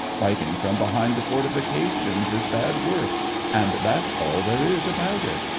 — Fighting from behind the forti fications is bad work, and that's all there is about it